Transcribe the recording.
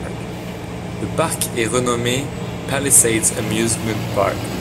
Le parc est renommé Palisades Amusement Park.